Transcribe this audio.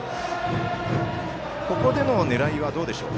ここでの狙いはどうでしょう。